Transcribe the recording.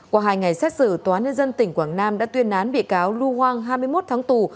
qua hai ngày xét xử tòa nhân dân tỉnh quảng nam đã tuyên án bị cáo lu hoang hai mươi một tháng tù